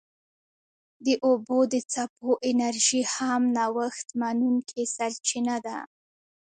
د اوبو د څپو انرژي هم نوښت منونکې سرچینه ده.